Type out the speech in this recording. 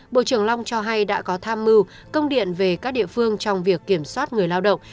bộ trưởng long cho hay đã có tham mưu công điện về các địa phương trong việc kiểm soát người lao động